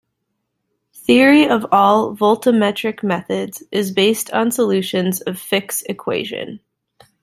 Theory of all voltammetric methods is based on solutions of Fick's equation.